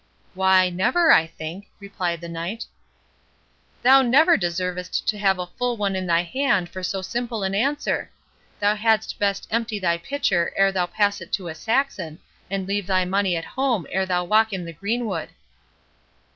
"Why, never, I think," replied the Knight. "Thou never deservest to have a full one in thy hand, for so simple an answer! Thou hadst best empty thy pitcher ere thou pass it to a Saxon, and leave thy money at home ere thou walk in the greenwood."